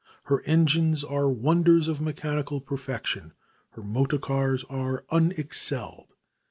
Her engines are wonders of mechanical perfection. Her motor cars are unexcelled.